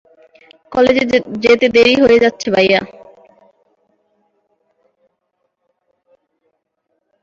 কলেজে যেতে দেরি হয়ে যাচ্ছে, ভাইয়া।